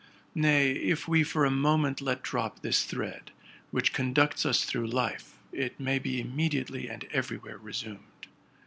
Nay, if we fora mo ment let drop this thread, which conducts us through life, it may be immediately and everywhere resumed.